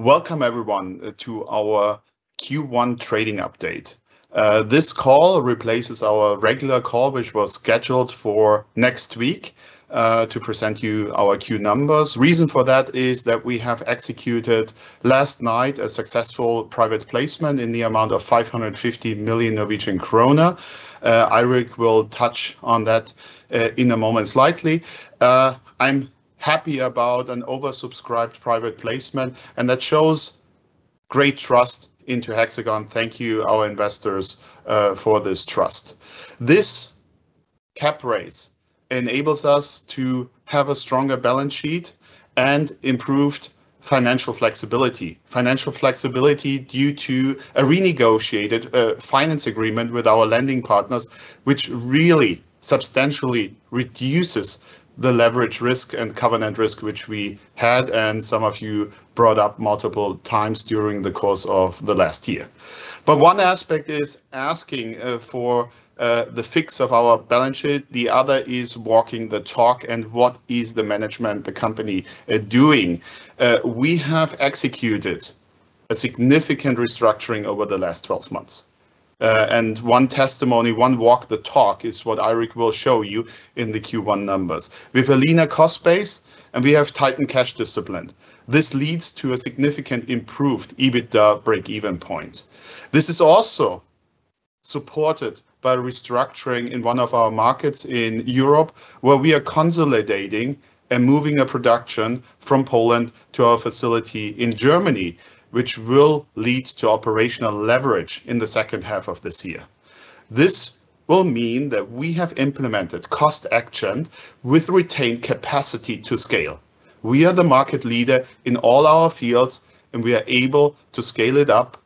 Welcome everyone to our Q1 trading update. This call replaces our regular call, which was scheduled for next week, to present you our Q numbers. Reason for that is that we have executed last night a successful private placement in the amount of 550 million Norwegian krone. Eirik will touch on that in a moment slightly. I'm happy about an oversubscribed private placement, and that shows great trust into Hexagon. Thank you, our investors, for this trust. This cap raise enables us to have a stronger balance sheet and improved financial flexibility. Financial flexibility due to a renegotiated finance agreement with our lending partners, which really substantially reduces the leverage risk and covenant risk which we had, and some of you brought up multiple times during the course of the last year. One aspect is asking for the fix of our balance sheet. The other is walking the talk, and what is the management, the company, doing. We have executed a significant restructuring over the last 12 months. And one testimony, one walk the talk is what Eirik will show you in the Q1 numbers. We have a leaner cost base, and we have tightened cash discipline. This leads to a significant improved EBITDA breakeven point. This is also supported by restructuring in one of our markets in Europe, where we are consolidating and moving a production from Poland to our facility in Germany, which will lead to operational leverage in the second half of this year. This will mean that we have implemented cost action with retained capacity to scale. We are the market leader in all our fields, and we are able to scale it up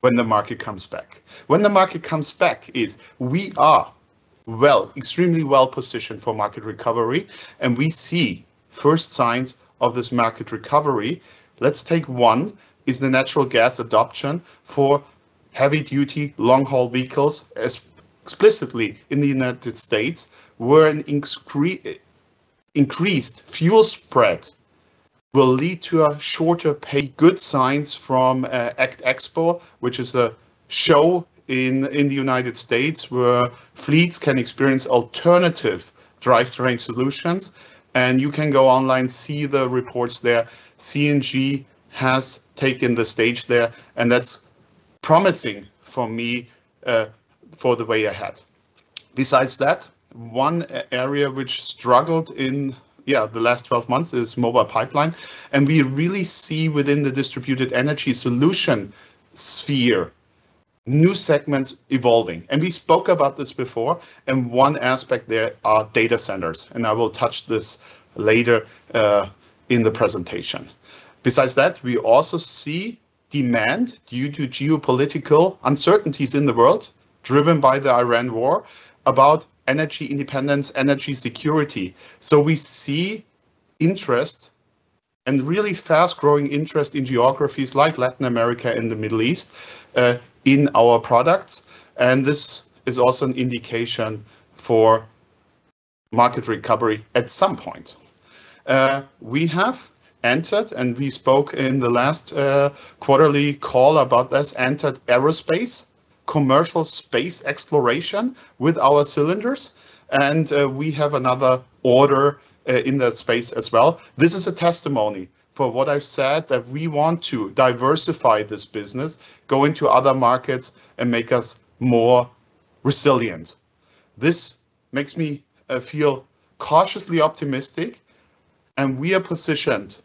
when the market comes back. When the market comes back, we are extremely well-positioned for market recovery, and we see first signs of this market recovery. Let's take one is the natural gas adoption for heavy-duty, long-haul vehicles, as explicitly in the U.S., where an increased fuel spread will lead to a shorter payback, good signs from ACT Expo, which is a show in the U.S. where fleets can experience alternative drivetrain solutions. You can go online, see the reports there. CNG has taken the stage there, and that's promising for me for the way ahead. Besides that, one area which struggled in, yeah, the last 12 months is Mobile Pipeline. We really see within the distributed energy solution sphere, new segments evolving. We spoke about this before, and one aspect there are data centers, and I will touch this later in the presentation. Besides that, we also see demand due to geopolitical uncertainties in the world driven by the Iran war about energy independence, energy security. We see interest and really fast-growing interest in geographies like Latin America and the Middle East in our products. This is also an indication for market recovery at some point. We have entered, and we spoke in the last quarterly call about this, entered aerospace, commercial space exploration with our cylinders. We have another order in that space as well. This is a testimony for what I've said, that we want to diversify this business, go into other markets, and make us more resilient. This makes me feel cautiously optimistic, and we are positioned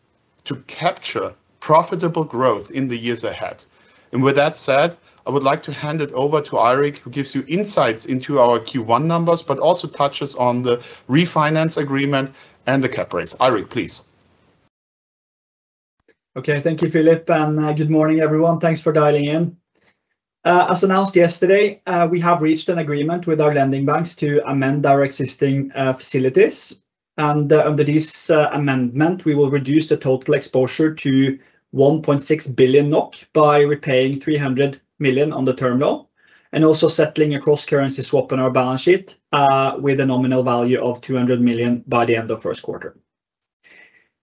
to capture profitable growth in the years ahead. With that said, I would like to hand it over to Eirik, who gives you insights into our Q1 numbers, but also touches on the refinance agreement and the CapEx. Eirik, please. Okay. Thank you, Philipp. Good morning, everyone. Thanks for dialing in. As announced yesterday, we have reached an agreement with our lending banks to amend our existing facilities. Under this amendment, we will reduce the total exposure to 1.6 billion NOK by repaying 300 million on the term loan and also settling a cross-currency swap on our balance sheet with a nominal value of 200 million by the end of first quarter.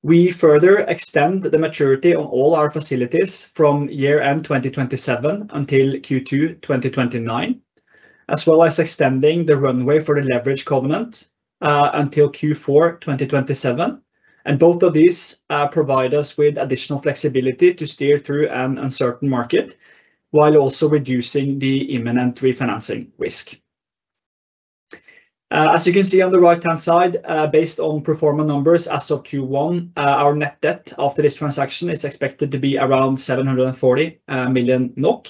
We further extend the maturity of all our facilities from year-end 2027 until Q2 2029, as well as extending the runway for the leverage covenant until Q4 2027. Both of these provide us with additional flexibility to steer through an uncertain market while also reducing the imminent refinancing risk. As you can see on the right-hand side, based on pro forma numbers as of Q1, our net debt after this transaction is expected to be around 740 million NOK,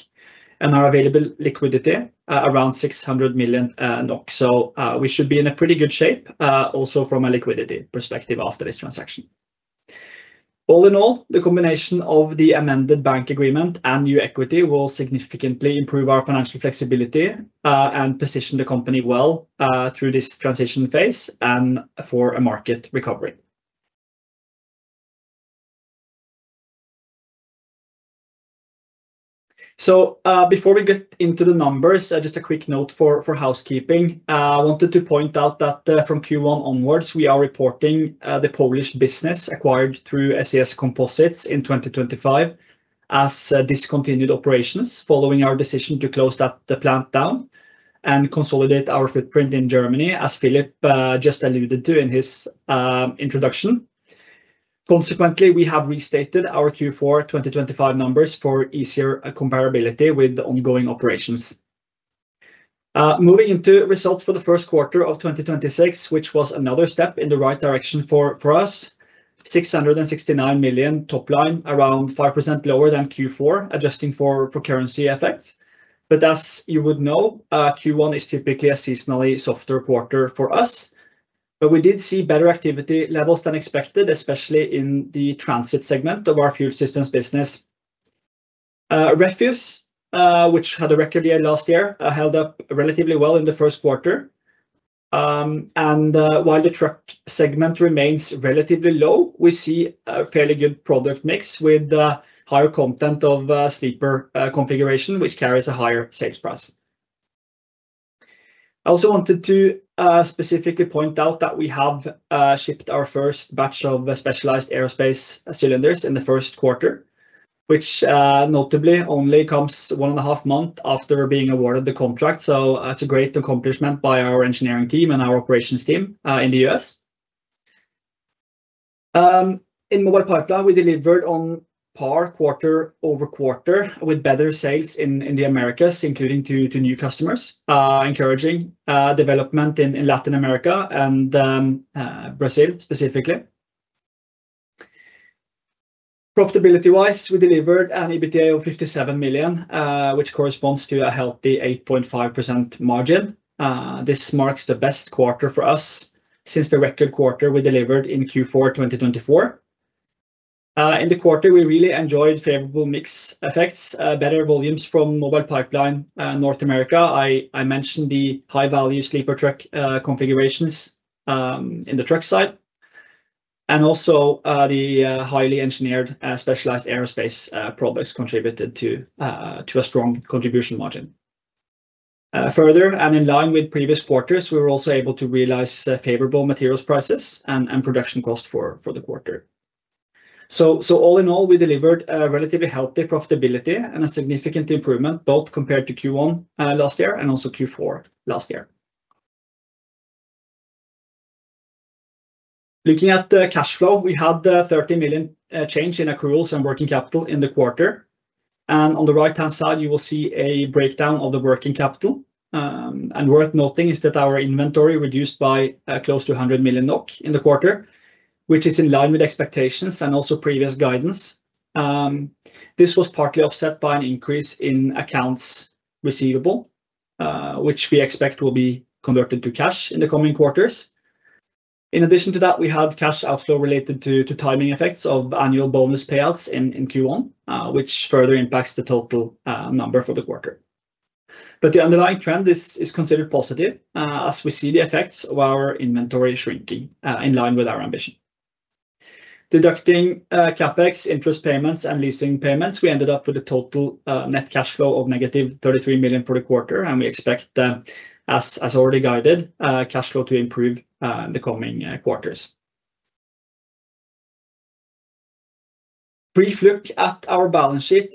and our available liquidity around 600 million NOK. We should be in a pretty good shape also from a liquidity perspective after this transaction. All in all, the combination of the amended bank agreement and new equity will significantly improve our financial flexibility and position the company well through this transition phase and for a market recovery. Before we get into the numbers, just a quick note for housekeeping. I wanted to point out that from Q1 onwards, we are reporting the Polish business acquired through SES Composites in 2025 as discontinued operations following our decision to close that, the plant down and consolidate our footprint in Germany, as Philipp just alluded to in his introduction. Consequently, we have restated our Q4 2025 numbers for easier comparability with the ongoing operations. Moving into results for the first quarter of 2026, which was another step in the right direction for us. 669 million top line, around 5% lower than Q4, adjusting for currency effect. As you would know, Q1 is typically a seasonally softer quarter for us. We did see better activity levels than expected, especially in the transit segment of our fuel systems business. Refuse, which had a record year last year, held up relatively well in the first quarter. While the truck segment remains relatively low, we see a fairly good product mix with higher content of sleeper configuration, which carries a higher sales price. I also wanted to specifically point out that we have shipped our first batch of specialized aerospace cylinders in the first quarter, which notably only comes one and a half months after being awarded the contract. That's a great accomplishment by our engineering team and our operations team in the U.S. In Mobile Pipeline, we delivered on par quarter-over-quarter with better sales in the Americas, including to new customers, encouraging development in Latin America and Brazil specifically. Profitability-wise, we delivered an EBITDA of 57 million, which corresponds to a healthy 8.5% margin. This marks the best quarter for us since the record quarter we delivered in Q4 2024. In the quarter, we really enjoyed favorable mix effects, better volumes from Mobile Pipeline, North America. I mentioned the high-value sleeper truck configurations in the truck side. Also, the highly engineered, specialized aerospace products contributed to a strong contribution margin. Further, in line with previous quarters, we were also able to realize favorable materials prices and production cost for the quarter. All in all, we delivered a relatively healthy profitability and a significant improvement both compared to Q1 last year and also Q4 last year. Looking at the cash flow, we had 30 million change in accruals and working capital in the quarter. On the right-hand side, you will see a breakdown of the working capital. Worth noting is that our inventory reduced by close to 100 million NOK in the quarter, which is in line with expectations and also previous guidance. This was partly offset by an increase in accounts receivable, which we expect will be converted to cash in the coming quarters. In addition to that, we had cash outflow related to timing effects of annual bonus payouts in Q1, which further impacts the total number for the quarter. The underlying trend is considered positive as we see the effects of our inventory shrinking in line with our ambition. Deducting CapEx interest payments and leasing payments, we ended up with a total net cash flow of -33 million for the quarter. We expect, as already guided, cash flow to improve in the coming quarters. Brief look at our balance sheet.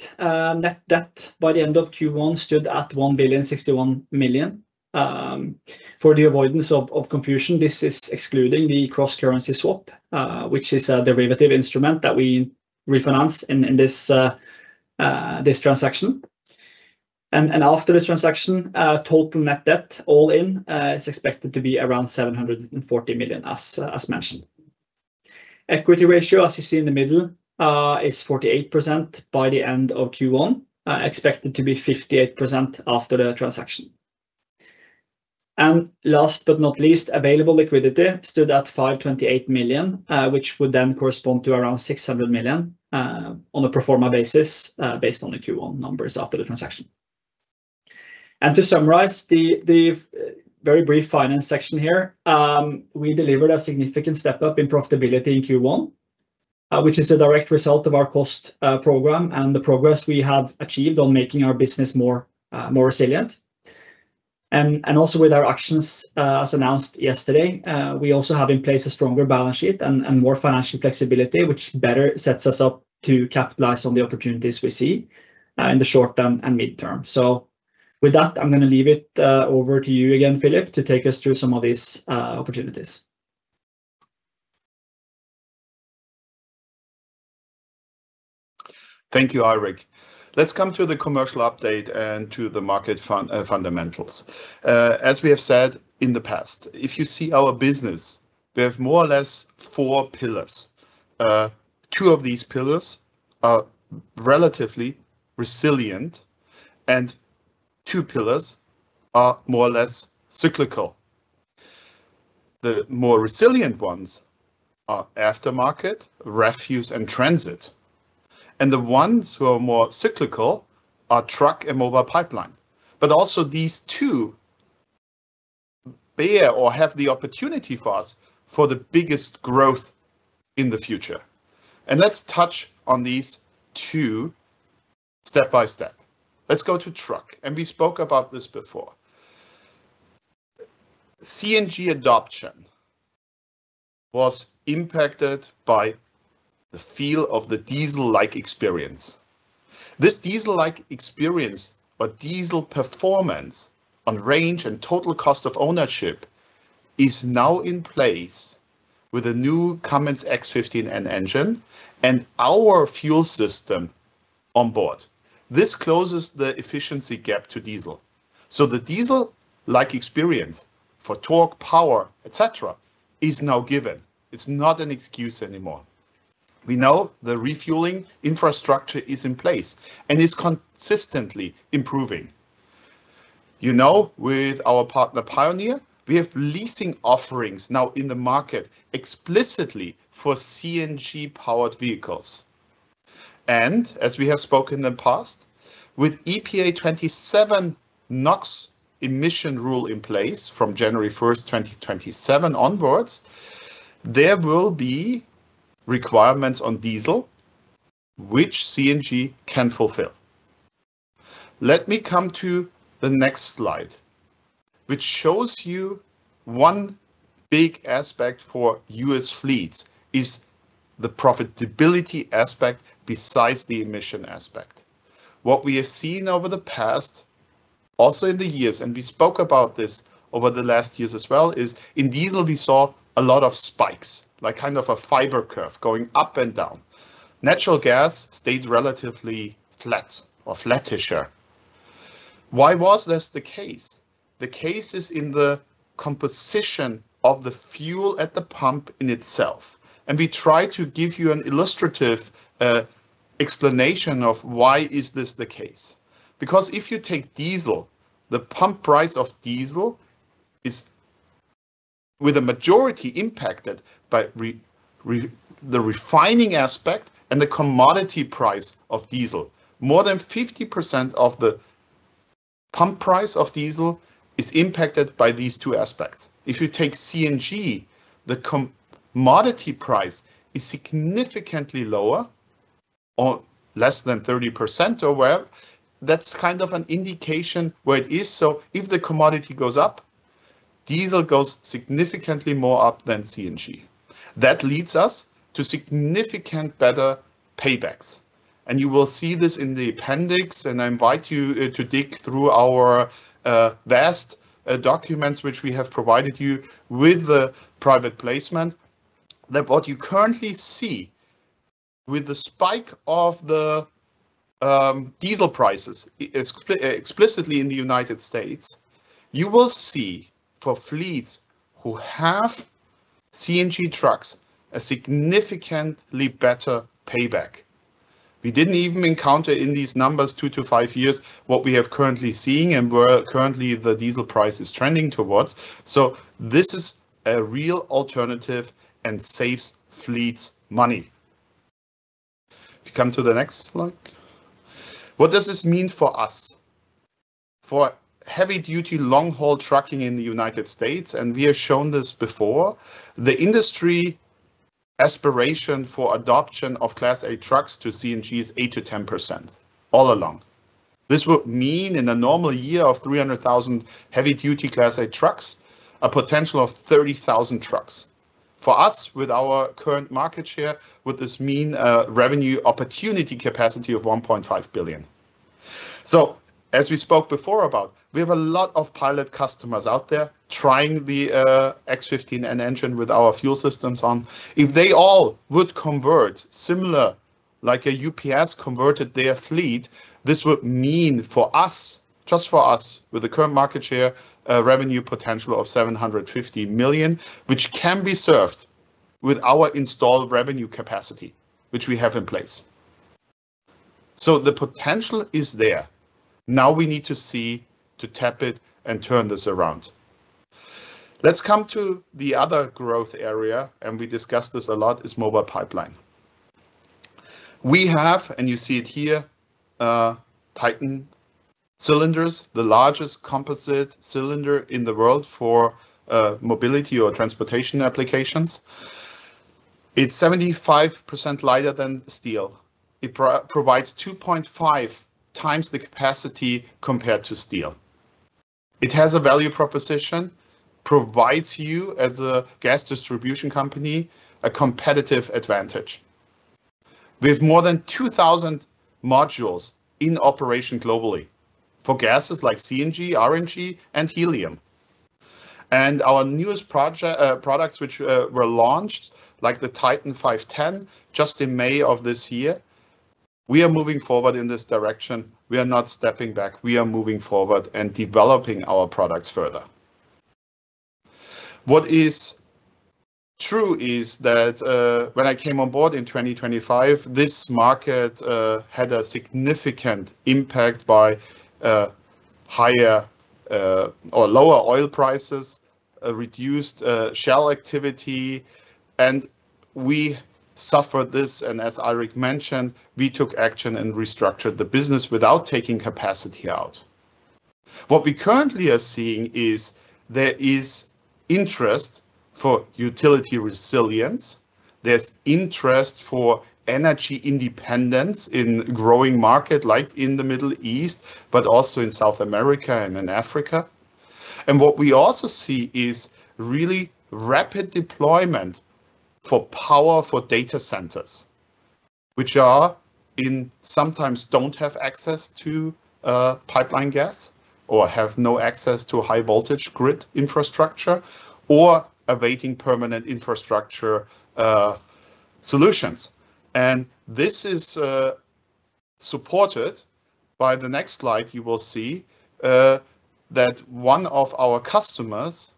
Net debt by the end of Q1 stood at 1.061 billion. For the avoidance of confusion, this is excluding the cross-currency swap, which is a derivative instrument that we refinance in this transaction. After this transaction, total net debt all in is expected to be around 740 million, as mentioned. Equity ratio, as you see in the middle, is 48% by the end of Q1, expected to be 58% after the transaction. Available liquidity stood at 528 million, which would then correspond to around 600 million on a pro forma basis, based on the Q1 numbers after the transaction. To summarize the very brief finance section here, we delivered a significant step-up in profitability in Q1, which is a direct result of our cost program and the progress we have achieved on making our business more resilient. Also with our actions, as announced yesterday, we also have in place a stronger balance sheet and more financial flexibility, which better sets us up to capitalize on the opportunities we see in the short term and mid-term. With that, I'm gonna leave it over to you again, Philipp, to take us through some of these opportunities. Thank you, Eirik. Let's come to the commercial update and to the market fundamentals. As we have said in the past, if you see our business, we have more or less four pillars. Two of these pillars are relatively resilient, and two pillars are more or less cyclical. The more resilient ones are aftermarket, refuse, and transit. The ones who are more cyclical are truck and Mobile Pipeline. Also, these two bear or have the opportunity for us for the biggest growth in the future. Let's touch on these two step-by-step. Let's go to truck, and we spoke about this before. CNG adoption was impacted by the feel of the diesel-like experience. This diesel-like experience, or diesel performance on range and total cost of ownership, is now in place with the new Cummins X15N engine and our fuel system on board. This closes the efficiency gap to diesel. The diesel-like experience for torque, power, et cetera, is now given. It's not an excuse anymore. We know the refueling infrastructure is in place and is consistently improving. You know, with our partner Pioneer, we have leasing offerings now in the market explicitly for CNG-powered vehicles. As we have spoken in the past, with EPA 2027 NOx emission rule in place from January 1st, 2027 onwards, there will be requirements on diesel which CNG can fulfill. Let me come to the next slide, which shows you one big aspect for U.S. fleets is the profitability aspect besides the emission aspect. What we have seen over the past, also in the years, and we spoke about this over the last years as well, is in diesel we saw a lot of spikes, like kind of a fiber curve going up and down. Natural gas stayed relatively flat or flattish here. Why was this the case? The case is in the composition of the fuel at the pump in itself, we try to give you an illustrative explanation of why is this the case. If you take diesel, the pump price of diesel is, with a majority impacted by the refining aspect and the commodity price of diesel. More than 50% of the pump price of diesel is impacted by these two aspects. If you take CNG, the commodity price is significantly lower, or less than 30% or whatever. That's kind of an indication where it is. If the commodity goes up, diesel goes significantly more up than CNG. That leads us to significant better paybacks, and you will see this in the appendix, and I invite you to dig through our vast documents which we have provided you with the private placement. That what you currently see with the spike of the diesel prices, explicitly in the U.S., you will see for fleets who have CNG trucks, a significantly better payback. We didn't even encounter in these numbers two to five years what we have currently seeing and where currently the diesel price is trending towards. This is a real alternative and saves fleets money. If you come to the next slide. What does this mean for us? For heavy-duty, long-haul trucking in the U.S., and we have shown this before, the industry aspiration for adoption of Class A trucks to CNG is 8%-10% all along. This would mean in a normal year of 300,000 heavy-duty Class 8 trucks, a potential of 30,000 trucks. For us, with our current market share would this mean revenue opportunity capacity of 1.5 billion. As we spoke before about, we have a lot of pilot customers out there trying the X15N engine with our fuel systems on. If they all would convert similar, like a UPS converted their fleet, this would mean for us, just for us, with the current market share, a revenue potential of 750 million, which can be served with our installed revenue capacity, which we have in place. The potential is there. Now we need to see to tap it and turn this around. Let's come to the other growth area, and we discussed this a lot, is Mobile Pipeline. We have, and you see it here, TITAN cylinders, the largest composite cylinder in the world for mobility or transportation applications. It's 75% lighter than steel. It provides 2.5 times the capacity compared to steel. It has a value proposition, provides you as a gas distribution company, a competitive advantage. We have more than 2,000 modules in operation globally for gases like CNG, RNG and helium. Our newest products, which were launched, like the TITAN 510 just in May of this year, we are moving forward in this direction. We are not stepping back. We are moving forward and developing our products further. What is true is that, when I came on board in 2025, this market had a significant impact by higher or lower oil prices, a reduced shale activity and we suffered this, and as Eirik mentioned, we took action and restructured the business without taking capacity out. What we currently are seeing is there is interest for utility resilience. There's interest for energy independence in growing market, like in the Middle East, but also in South America and in Africa. What we also see is really rapid deployment for power for data centers, which are in sometimes don't have access to pipeline gas or have no access to high-voltage grid infrastructure or awaiting permanent infrastructure solutions. This is supported. By the next slide, you will see that one of our customers,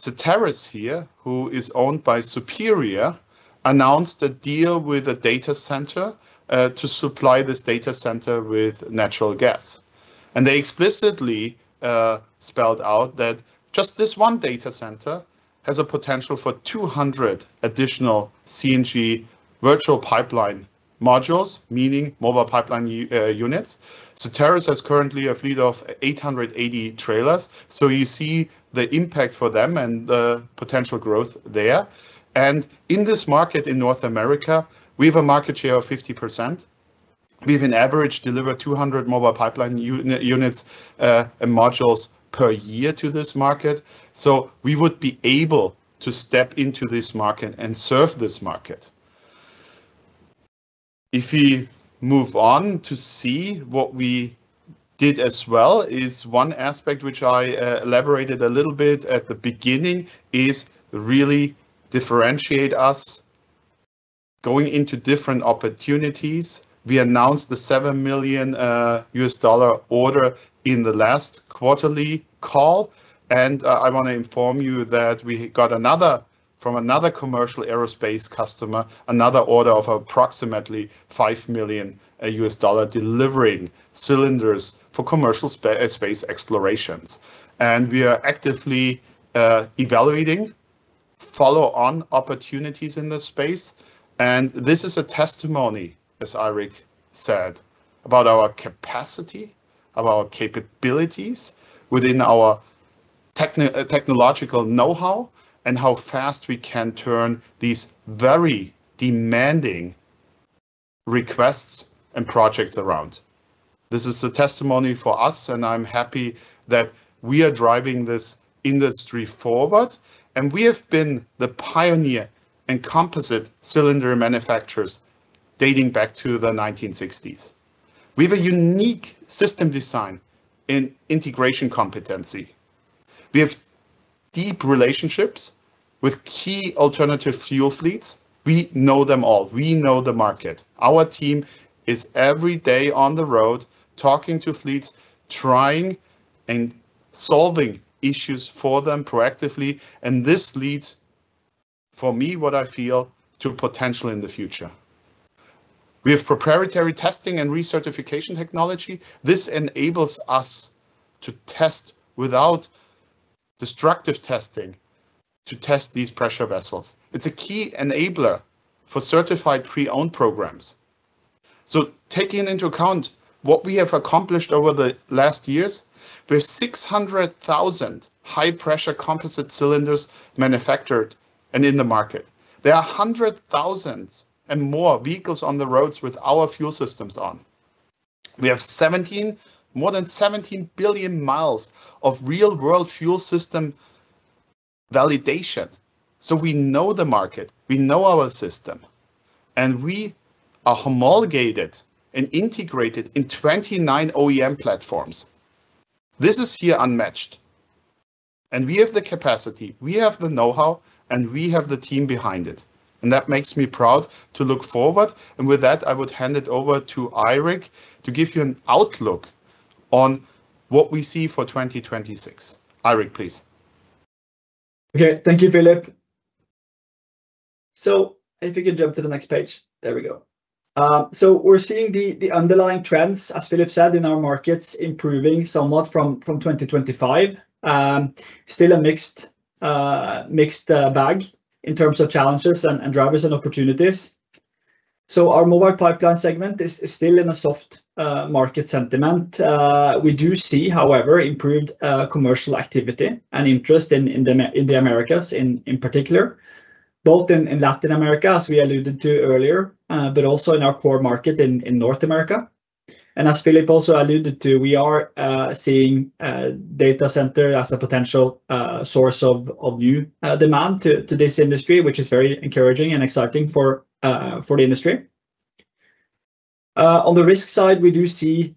Certarus here, who is owned by Superior, announced a deal with a data center to supply this data center with natural gas. They explicitly spelled out that just this one data center has a potential for 200 additional CNG virtual pipeline modules, meaning mobile pipeline units. Certarus has currently a fleet of 880 trailers. You see the impact for them and the potential growth there. In this market in North America, we have a market share of 50%. We've an average deliver 200 Mobile Pipeline units and modules per year to this market. We would be able to step into this market and serve this market. If we move on to see what we did as well is one aspect which I elaborated a little bit at the beginning, is really differentiate us going into different opportunities. We announced the $7 million U.S. dollar order in the last quarterly call, I wanna inform you that we got another from another commercial aerospace customer, another order of approximately $5 million U.S. dollar, delivering cylinders for commercial space explorations. We are actively evaluating follow-on opportunities in this space. This is a testimony, as Eirik said, about our capacity, about our capabilities within our technological know-how, and how fast we can turn these very demanding requests and projects around. This is a testimony for us, and I'm happy that we are driving this industry forward. We have been the pioneer and composite cylinder manufacturers dating back to the 1960s. We have a unique system design in integration competency. We have deep relationships with key alternative fuel fleets. We know them all. We know the market. Our team is every day on the road talking to fleets, trying and solving issues for them proactively. This leads, for me, what I feel, to potential in the future. We have proprietary testing and recertification technology. This enables us to test without destructive testing to test these pressure vessels. It's a key enabler for certified pre-owned programs. Taking into account what we have accomplished over the last years, with 600,000 high-pressure composite cylinders manufactured and in the market, there are hundred thousands and more vehicles on the roads with our fuel systems on. We have more than 17 billion miles of real-world fuel system validation. We know the market, we know our system, and we are homologated and integrated in 29 OEM platforms. This is here unmatched. We have the capacity, we have the know-how, and we have the team behind it, and that makes me proud to look forward. With that, I would hand it over to Eirik to give you an outlook on what we see for 2026. Eirik, please. Okay. Thank you, Philipp. If you could jump to the next page. There we go. We're seeing the underlying trends, as Philipp said, in our markets improving somewhat from 2025. Still a mixed bag in terms of challenges and drivers and opportunities. Our Mobile Pipeline segment is still in a soft market sentiment. We do see, however, improved commercial activity and interest in the Americas in particular, both in Latin America, as we alluded to earlier, but also in our core market in North America. As Philipp also alluded to, we are seeing data center as a potential source of new demand to this industry, which is very encouraging and exciting for the industry. On the risk side, we do see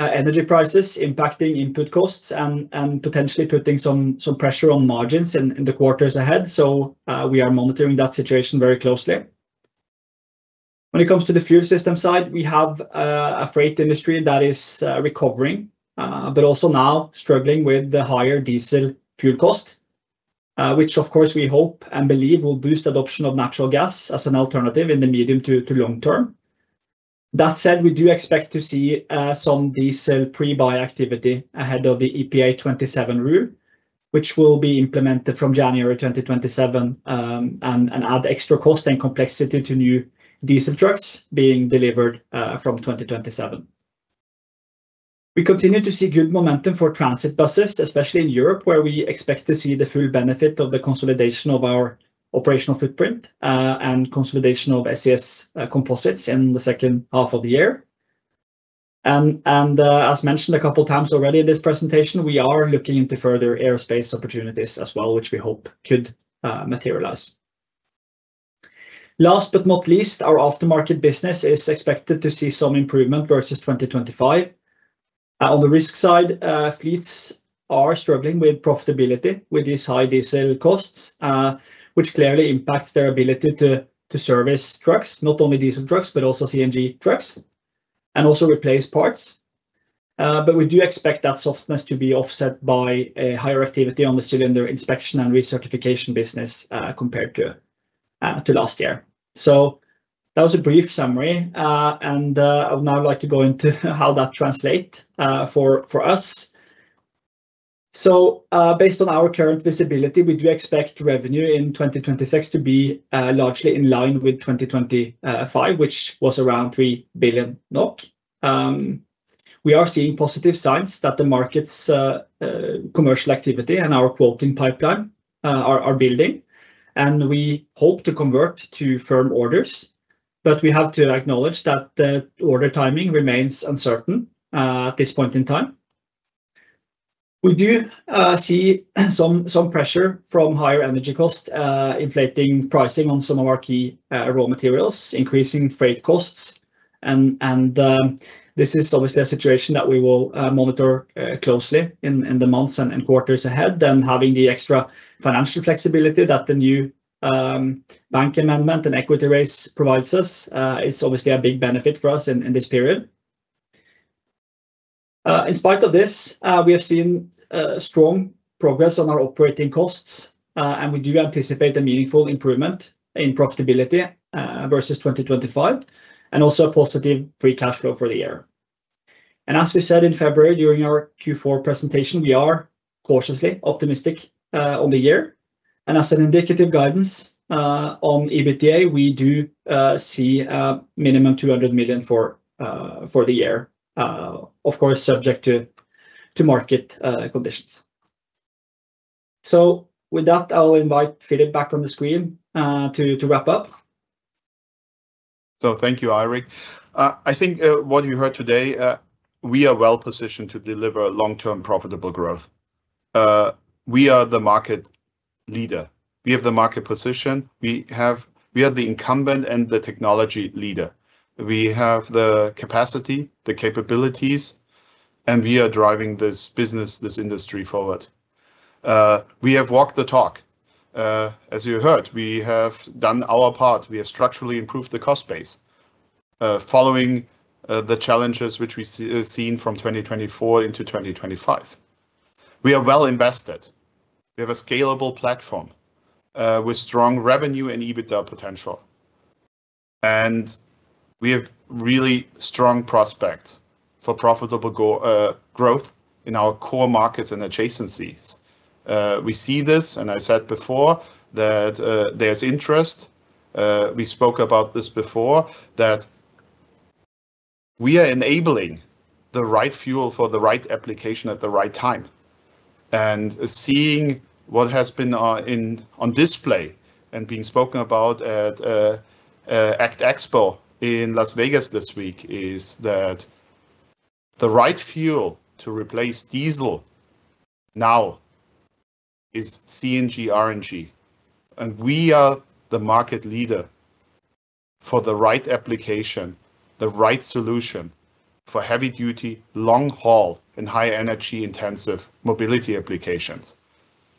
energy prices impacting input costs and potentially putting some pressure on margins in the quarters ahead. We are monitoring that situation very closely. When it comes to the fuel system side, we have a freight industry that is recovering, but also now struggling with the higher diesel fuel cost, which of course we hope and believe will boost adoption of natural gas as an alternative in the medium to long term. That said, we do expect to see some diesel pre-buy activity ahead of the EPA 2027 rule, which will be implemented from January 2027, and add extra cost and complexity to new diesel trucks being delivered from 2027. We continue to see good momentum for transit buses, especially in Europe, where we expect to see the full benefit of the consolidation of our operational footprint and consolidation of SES Composites in the second half of the year. As mentioned a couple times already in this presentation, we are looking into further aerospace opportunities as well, which we hope could materialize. Last but not least, our aftermarket business is expected to see some improvement versus 2025. On the risk side, fleets are struggling with profitability with these high diesel costs, which clearly impacts their ability to service trucks, not only diesel trucks, but also CNG trucks, and also replace parts. We do expect that softness to be offset by a higher activity on the cylinder inspection and recertification business compared to last year. That was a brief summary. I would now like to go into how that translate for us. Based on our current visibility, we do expect revenue in 2026 to be largely in line with 2025, which was around 3 billion NOK. We are seeing positive signs that the markets, commercial activity and our quoting pipeline are building, and we hope to convert to firm orders. We have to acknowledge that the order timing remains uncertain at this point in time. We do see some pressure from higher energy cost inflating pricing on some of our key raw materials, increasing freight costs and this is obviously a situation that we will monitor closely in the months and quarters ahead. Having the extra financial flexibility that the new bank amendment and equity raise provides us is obviously a big benefit for us in this period. In spite of this, we have seen strong progress on our operating costs, and we do anticipate a meaningful improvement in profitability versus 2025, and also a positive free cash flow for the year. As we said in February during our Q4 presentation, we are cautiously optimistic on the year. As an indicative guidance on EBITDA, we do see a minimum 200 million for the year, of course, subject to market conditions. With that, I will invite Philipp back on the screen to wrap up. Thank you, Eirik. I think what you heard today, we are well-positioned to deliver long-term profitable growth. We are the market leader. We have the market position. We are the incumbent and the technology leader. We have the capacity, the capabilities, and we are driving this business, this industry forward. We have walked the talk. As you heard, we have done our part. We have structurally improved the cost base, following the challenges which we seen from 2024 into 2025. We are well invested. We have a scalable platform with strong revenue and EBITDA potential, and we have really strong prospects for profitable growth in our core markets and adjacencies. We see this, I said before that there's interest, we spoke about this before, that we are enabling the right fuel for the right application at the right time. Seeing what has been in, on display and being spoken about at ACT Expo in Las Vegas this week, is that the right fuel to replace diesel now is CNG, RNG, and we are the market leader for the right application, the right solution for heavy duty, long haul, and high energy intensive mobility applications.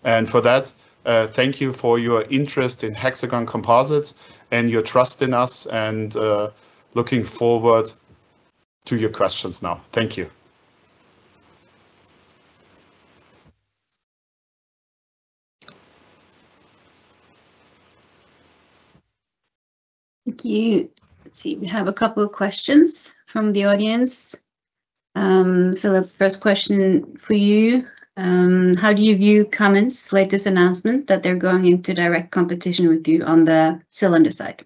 For that, thank you for your interest in Hexagon Composites and your trust in us and looking forward to your questions now. Thank you. Thank you. Let's see. We have a couple of questions from the audience. Philipp, first question for you. How do you view Cummins' latest announcement that they're going into direct competition with you on the cylinder side?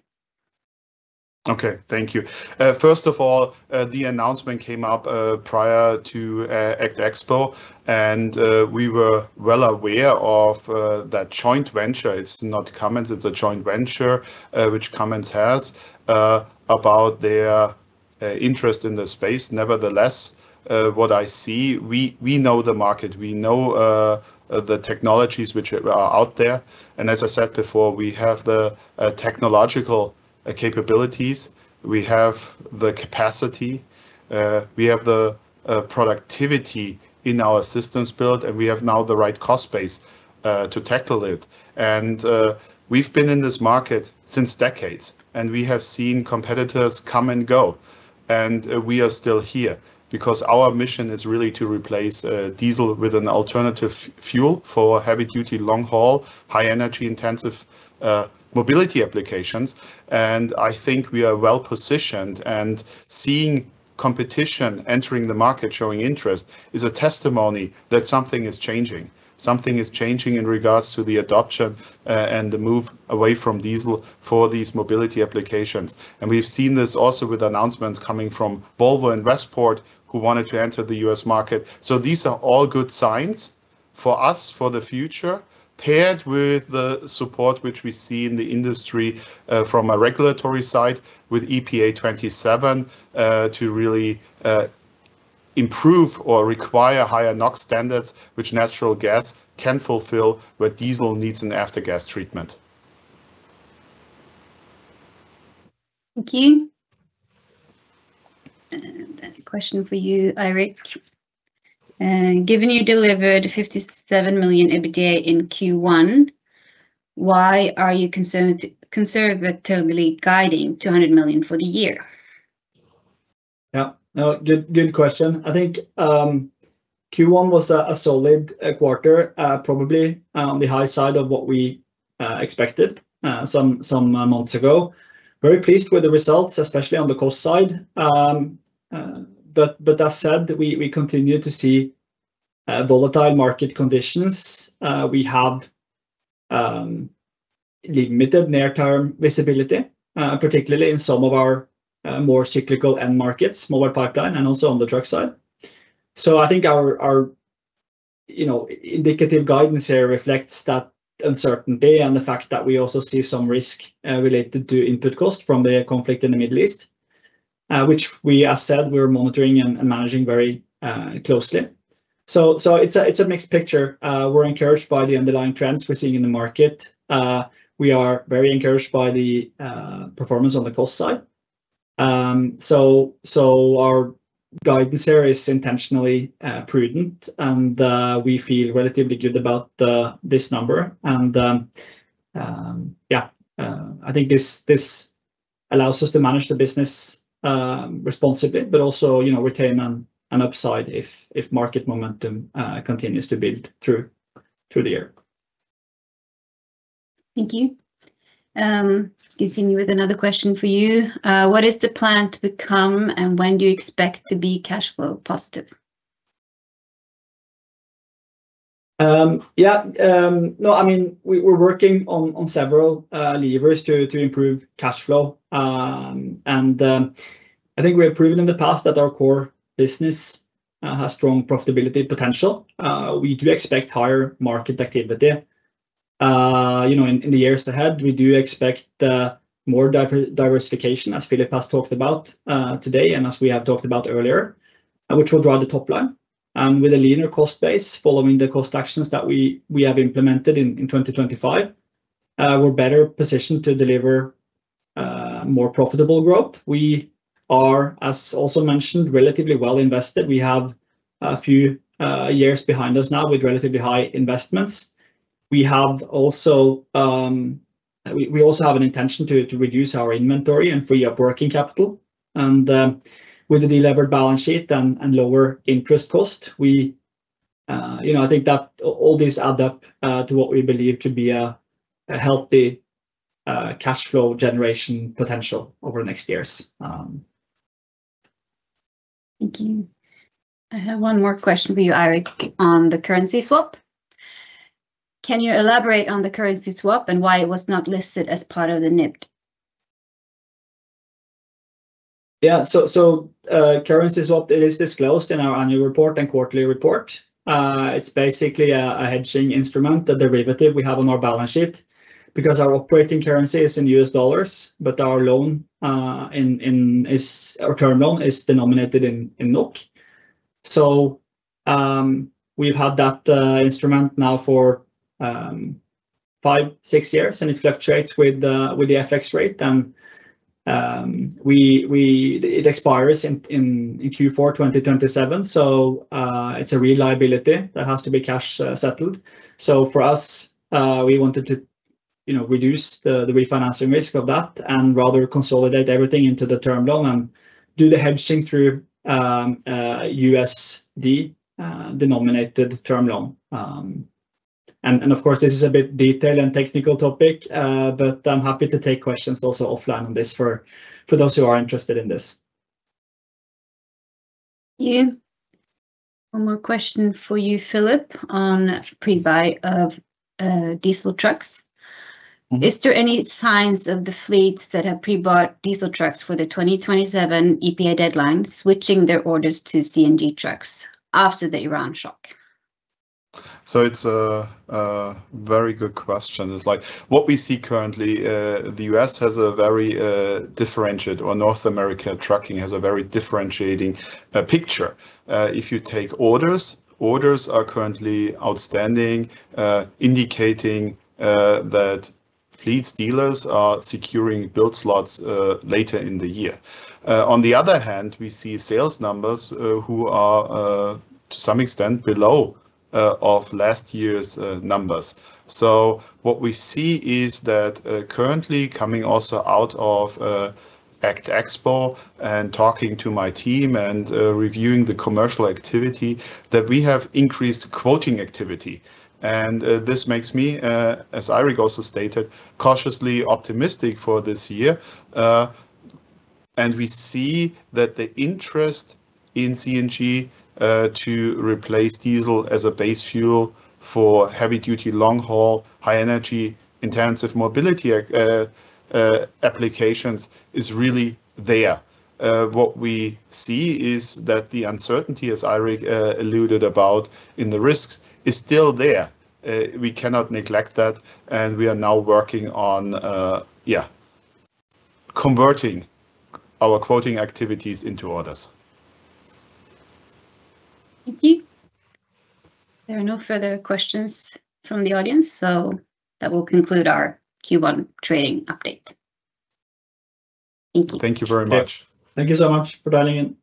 Okay. Thank you. First of all, the announcement came up prior to ACT Expo, and we were well aware of that joint venture. It's not Cummins, it's a joint venture which Cummins has about their interest in the space. Nevertheless, what I see, we know the market, we know the technologies which are out there. As I said before, we have the technological capabilities, we have the capacity, we have the productivity in our systems built, and we have now the right cost base to tackle it. We've been in this market since decades, and we have seen competitors come and go, and we are still here because our mission is really to replace diesel with an alternative fuel for heavy-duty, long-haul, high energy intensive mobility applications. I think we are well-positioned. Competition entering the market showing interest is a testimony that something is changing. Something is changing in regards to the adoption and the move away from diesel for these mobility applications. We've seen this also with announcements coming from Volvo and Westport, who wanted to enter the U.S. market. These are all good signs for us for the future, paired with the support which we see in the industry, from a regulatory side with EPA 2027, to really improve or require higher NOx standards which natural gas can fulfill, but diesel needs an aftertreatment. Thank you. A question for you, Eirik. Given you delivered 57 million EBITDA in Q1, why are you conservatively guiding 200 million for the year? Yeah. No. Good, good question. I think Q1 was a solid quarter, probably on the high side of what we expected some months ago. Very pleased with the results, especially on the cost side. As said, we continue to see volatile market conditions. We have limited near term visibility, particularly in some of our more cyclical end markets, Mobile Pipeline and also on the truck side. I think our, you know, indicative guidance here reflects that uncertainty and the fact that we also see some risk related to input costs from the conflict in the Middle East, which we, as said, we're monitoring and managing very closely. It's a mixed picture. We're encouraged by the underlying trends we're seeing in the market. We are very encouraged by the performance on the cost side. Our guidance here is intentionally prudent, and we feel relatively good about this number. Yeah, I think this allows us to manage the business responsibly, but also, you know, retain an upside if market momentum continues to build through the year. Thank you. Continue with another question for you. What is the plan to become and when do you expect to be cash flow positive? I mean, we're working on several levers to improve cash flow. I think we have proven in the past that our core business has strong profitability potential. We do expect higher market activity, you know, in the years ahead. We do expect more diversification, as Philipp has talked about today and as we have talked about earlier, which will drive the top line. With a linear cost base following the cost actions that we have implemented in 2025, we're better positioned to deliver more profitable growth. We are, as also mentioned, relatively well invested. We have a few years behind us now with relatively high investments. We have also, we also have an intention to reduce our inventory and free up working capital. With the delevered balance sheet and lower interest cost, we, you know, I think that all this add up to what we believe to be a healthy cash flow generation potential over the next years. Thank you. I have one more question for you, Eirik, on the currency swap. Can you elaborate on the currency swap and why it was not listed as part of the NIBD? Cross-currency swap, it is disclosed in our annual report and quarterly report. It's basically a hedging instrument, a derivative we have on our balance sheet because our operating currency is in U.S. dollars, but our loan, our term loan is denominated in NOK. We've had that instrument now for five, six years, and it fluctuates with the FX rate. It expires in Q4 2027, it's a liability that has to be cash settled. For us, we wanted to, you know, reduce the refinancing risk of that and rather consolidate everything into the term loan and do the hedging through USD denominated term loan. Of course, this is a bit detailed and technical topic, but I'm happy to take questions also offline on this for those who are interested in this. Thank you. One more question for you, Philipp, on pre-buy of diesel trucks. Is there any signs of the fleets that have pre-bought diesel trucks for the 2027 EPA deadline switching their orders to CNG trucks after the Iran shock? It's a very good question. It's like what we see currently, the U.S. has a very differentiated, or North America trucking has a very differentiating picture. If you take orders are currently outstanding, indicating that fleets dealers are securing build slots later in the year. On the other hand, we see sales numbers who are to some extent below of last year's numbers. What we see is that currently coming also out of ACT Expo and talking to my team and reviewing the commercial activity, that we have increased quoting activity. This makes me, as Eirik also stated, cautiously optimistic for this year. We see that the interest in CNG to replace diesel as a base fuel for heavy duty, long haul, high energy intensive mobility applications is really there. What we see is that the uncertainty, as Eirik alluded about in the risks, is still there. We cannot neglect that, and we are now working on converting our quoting activities into orders. Thank you. There are no further questions from the audience. That will conclude our Q1 trading update. Thank you. Thank you very much. Yeah. Thank you so much for dialing in